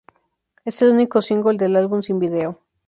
Es el único single del álbum sin video.